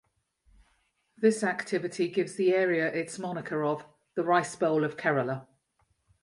This activity gives the area its moniker of "The Rice Bowl of Kerala".